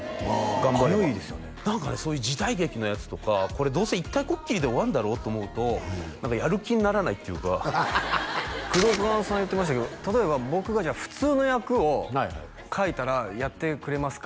頑張れば何かそういう時代劇のやつとかこれどうせ一回こっきりで終わるんだろうと思うと何かやる気にならないっていうかクドカンさん言ってましたけど「例えば僕が普通の役を書いたらやってくれますか？」